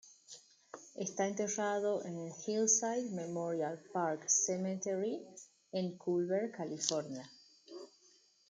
Está enterrado en el Hillside Memorial Park Cemetery en Culver, California.